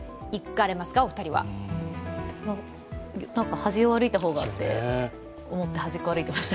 端を歩いた方がと思って端を歩いていました。